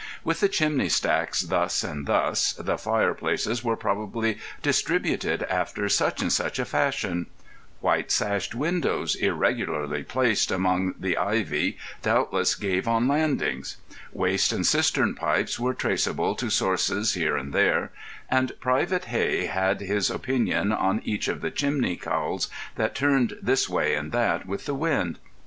With the chimney stacks thus and thus, the fireplaces were probably distributed after such and such a fashion; white sashed windows irregularly placed among the ivy doubtless gave on landings; waste and cistern pipes were traceable to sources here and there; and Private Hey had his opinion on each of the chimney cowls that turned this way and that with the wind.